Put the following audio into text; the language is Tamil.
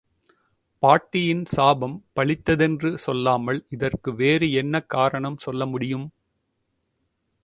பாட்டியின் சாபம் பலித்ததென்று சொல்லாமல் இதற்கு வேறு என்ன காரணம் சொல்லமுடியும்?